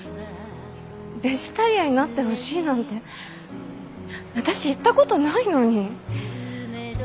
ベジタリアンになってほしいなんて私言った事ないのに。